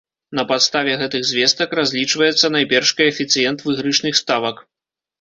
На падставе гэтых звестак разлічваецца найперш каэфіцыент выйгрышных ставак.